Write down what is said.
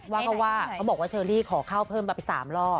ว่าก็ว่าเขาบอกว่าเชอรี่ขอเข้าเพิ่มไป๓รอบ